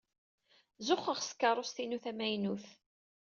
Zuxxeɣ s tkeṛṛust-inu tamaynut.